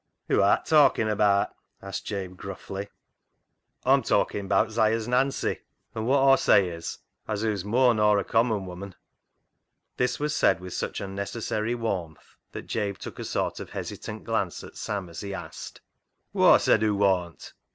" Who art talkin' abaat ?" asked Jabe gruffly. " Aw'm talkin' abaat 'Siah's Nancy, an' wot Aw say is as hoo's mooar nor a common woman." This was said with such unnecessary warmth that Jabe took a sort of hesitant glance at Sam as he asked —" Whoa said hoo worn't